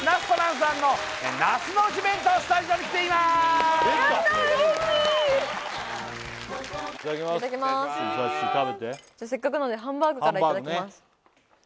さっしー食べてせっかくなのでハンバーグからいただきます